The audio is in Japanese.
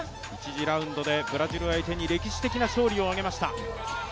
１次ラウンドでブラジルを相手に歴史的な勝利を挙げました。